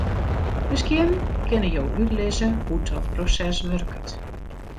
Miskien kinne jo útlizze hoe't dat proses wurket?